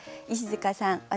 石塚さん